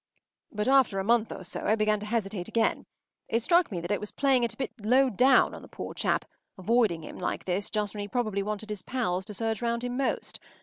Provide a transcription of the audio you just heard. But after a month or so I began to hesitate again. It struck me that it was playing it a bit low down on the poor chap, avoiding him like this just when he probably wanted his pals to surge round him most.